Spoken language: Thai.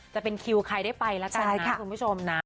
จะเป็นคิวใครได้ไปแล้วกันนะคุณผู้ชมนะ